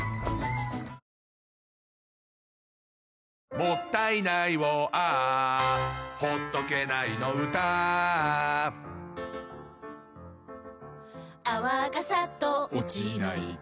「もったいないをＡｈ」「ほっとけないの唄Ａｈ」「泡がサッと落ちないと」